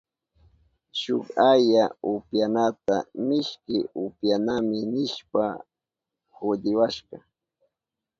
Shuk aya upyanata mishki upyanami nishpa hudiwashka.